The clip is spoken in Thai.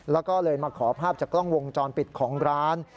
แล้วก็เลยมาขอภาพจากกล้องวงจรปิดของร้าน